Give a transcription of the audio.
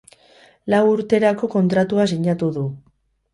Lau urterako kontratua sinatu du.